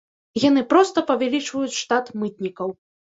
Яны проста павялічваюць штат мытнікаў.